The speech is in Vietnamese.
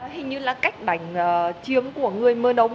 hình như là cách đánh chiên của người mân âu